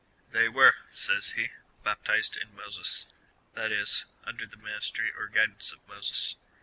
They were, says he, baptized in Moses, that is, under the ministry or guidance of Moses.